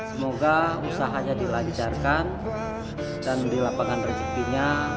semoga usahanya dilancarkan dan dilapangan rezekinya